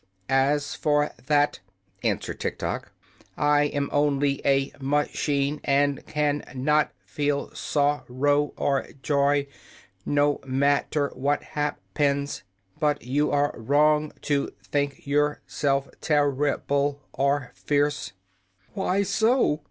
"As for that," answered Tiktok, "I am only a ma chine, and can not feel sor row or joy, no mat ter what hap pens. But you are wrong to think your self ter ri ble or fierce." "Why so?"